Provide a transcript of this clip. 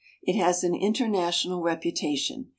It has an international reputation.